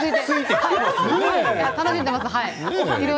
楽しんでます。